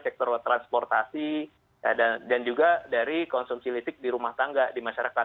sektor transportasi dan juga dari konsumsi listrik di rumah tangga di masyarakat